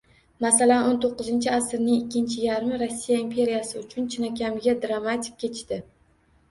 Masalan, o'n to'qqizinchi asrning ikkinchi yarmi Rossiya imperiyasi uchun chinakamiga dramatik kechdi.